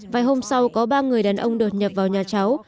vài hôm sau có ba người đàn ông đột nhập vào nhà cháu